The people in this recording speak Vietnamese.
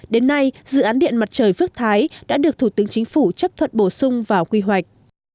đến nay dự án điện mặt trời phước thái đã được thủ tướng chính phủ chấp thuận bổ sung vào quy hoạch